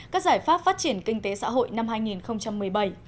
các giải pháp phát triển kinh tế xã hội năm hai nghìn một mươi bảy